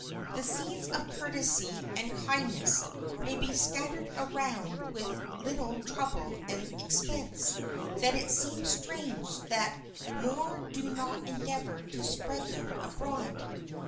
The seeds of courtesy and kindness may be scattered around with so little trouble and expense that it seems strange that more do not endeavor to spread them abroad.